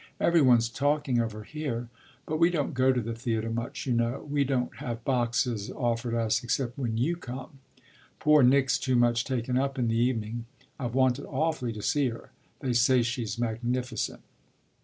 Every one's talking of her here. But we don't go to the theatre much, you know: we don't have boxes offered us except when you come. Poor Nick's too much taken up in the evening. I've wanted awfully to see her. They say she's magnificent."